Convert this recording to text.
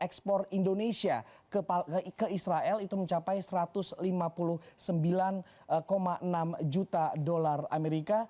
ekspor indonesia ke israel itu mencapai satu ratus lima puluh sembilan enam juta dolar amerika